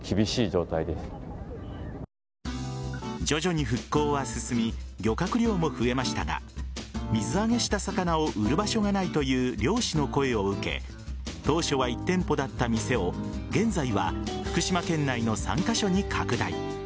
徐々に復興は進み漁獲量も増えましたが水揚げした魚を売る場所がないという漁師の声を受け当初は１店舗だった店を現在は福島県内の３カ所に拡大。